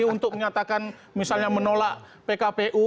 untuk menyatakan misalnya menolak pkpu